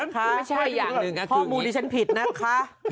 พอมูลดิฉันผิดน่ะคะ